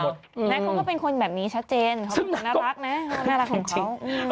แล้วเขาก็เป็นคนแบบนี้ชัดเจนเขาก็น่ารักนะน่ารักของเขา